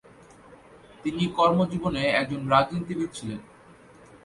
তিনি কর্মজীবনে একজন রাজনীতিবিদ ছিলেন।